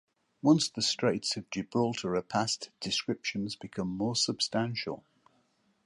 Once the Straits of Gibraltar are passed, descriptions become more substantial.